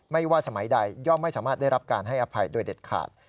ว่าสมัยใดย่อมไม่สามารถได้รับการให้อภัยโดยเด็ดขาด